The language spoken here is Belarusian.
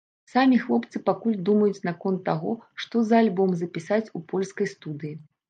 Самі хлопцы пакуль думаюць наконт таго, што за альбом запісаць у польскай студыі.